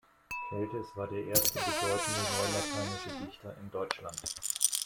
Celtis war der erste bedeutende neulateinische Dichter in Deutschland.